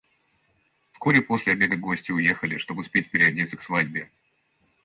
Вскоре после обеда гости уехали, чтоб успеть переодеться к свадьбе.